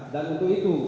dan untuk itu